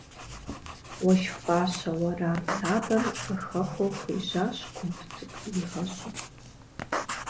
Уэшх пӏащэ уэрам сабэм къыхэхуэу хуежьащ, кумб цӏыкӏу иригъэщӏу.